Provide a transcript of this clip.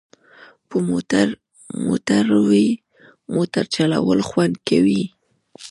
په موټروی موټر چلول خوند کوي